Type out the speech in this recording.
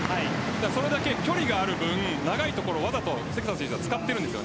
それだけ距離がある分長いところを、わざと関田選手は使っているんです。